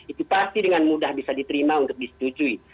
itu pasti dengan mudah bisa diterima untuk disetujui